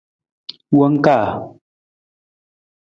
Wangkaa.